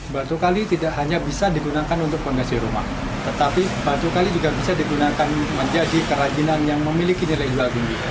batu kali tidak hanya bisa digunakan untuk fondasi rumah tetapi batu kali juga bisa digunakan menjadi kerajinan yang memiliki nilai jual tinggi